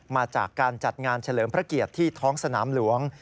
มาจากการจัดงานเฉลิมพระเกียรติที่ท้องสนามหลวง